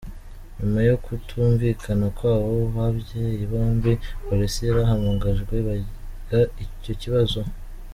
Nyuma yo kutumvikana kw’abo babyeyi bombi, polisi yarahamagajwe biga icyo kibazo.